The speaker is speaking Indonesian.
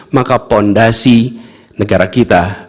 maka fondasi negara kita